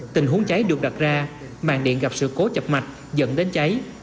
tình huống cháy được đặt ra màng điện gặp sự cố chập mạch dẫn đến cháy